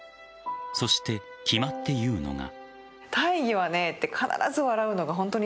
そして、決まって言うのが。